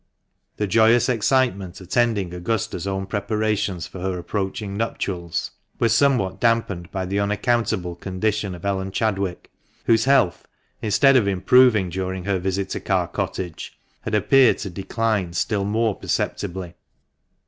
The joyous excitement attending Augusta's own preparations for her approaching nuptials was somewhat damped by the unaccountable condition of Ellen Chadwick, whose health, instead of improving during her visit to Carr Cottage, had appeared to decline still more perceptibly.